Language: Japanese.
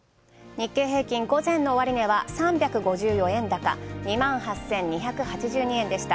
日経平均、午前の終値は３５４円高、２８２８２円でした。